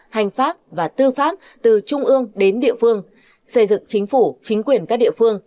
hành pháp và tư pháp từ trung ương đến địa phương xây dựng chính phủ chính quyền các địa phương